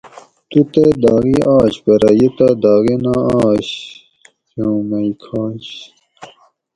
تُو تہ داغی آش پرہ یہ تہ داغی نہ آش نو مئ کھاۤںش